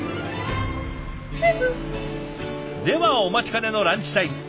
ではお待ちかねのランチタイム。